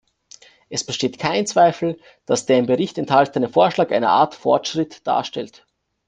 Es besteht kein Zweifel, dass der im Bericht enthaltene Vorschlag eine Art Fortschritt darstellt.